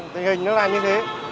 tình hình nó là như thế